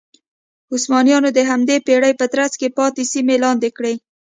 عثمانیانو د همدې پېړۍ په ترڅ کې پاتې سیمې لاندې کړې.